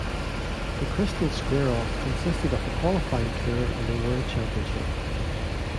The Krystal Square Off consisted of a qualifying tour and a world championship.